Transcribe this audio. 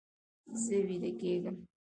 زه ویده کیږم